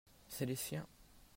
c'est les siens.